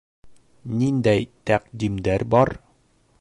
Ниндәй тәҡдимдәр бар?